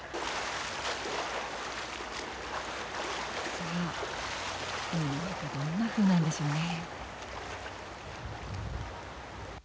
さあ海の中どんなふうなんでしょうね。